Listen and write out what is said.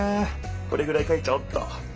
これぐらい書いちゃおうっと。